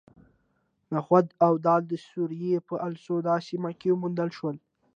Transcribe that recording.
نخود او دال د سوریې په الاسود سیمه کې وموندل شول.